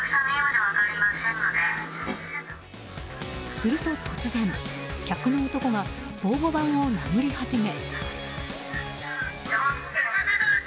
すると突然、客の男が防護板を殴り始め。